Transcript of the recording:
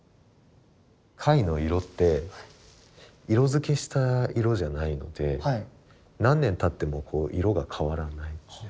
貝の色って色付けした色じゃないので何年たっても色が変わらないんです。